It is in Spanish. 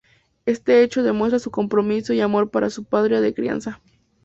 Este hecho demuestra su compromiso y amor para su Patria de crianza.